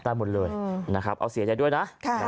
หมดเลยนะครับเอาเสียใจด้วยนะ